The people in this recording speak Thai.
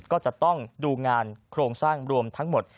ก็จะต้องดูงานโครงสร้างรวมทั้งหมด